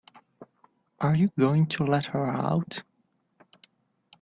Are you going to let her out?